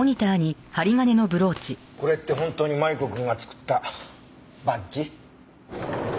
これって本当にマリコ君が作ったバッジ？